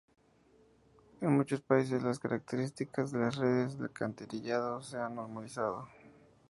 En muchos países, las características de las redes de alcantarillado se han normalizado.